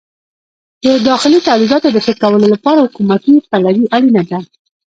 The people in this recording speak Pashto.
د داخلي تولیداتو د ښه کولو لپاره حکومتي پلوي اړینه ده.